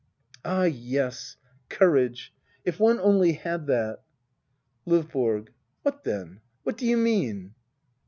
Ah yes — courage ! If one only had that ! LdVBORO. What then ? What do'you mean